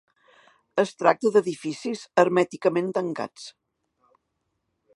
Es tracta d'edificis hermèticament tancats.